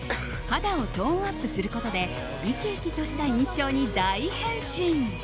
肌をトーンアップすることで生き生きとした印象に大変身。